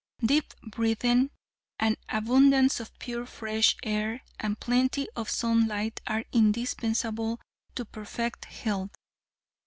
Deep breathing, an abundance of pure fresh air and plenty of sunlight are indispensable to perfect health.